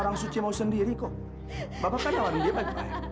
orang suci mau sendiri kok bapak kan lawan dia baik pak